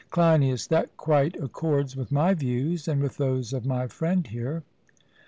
CLEINIAS: That quite accords with my views, and with those of my friend here.